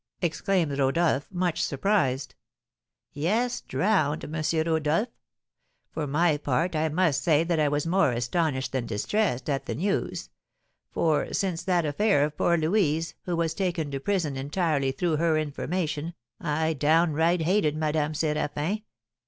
exclaimed Rodolph, much surprised. "Yes, drowned, M. Rodolph. For my part I must say that I was more astonished than distressed at the news; for since that affair of poor Louise, who was taken to prison entirely through her information, I downright hated Madame Séraphin.